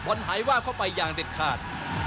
หายวาบเข้าไปอย่างเด็ดขาด